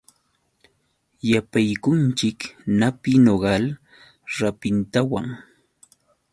Yapaykunchik napi nogal rapintawan.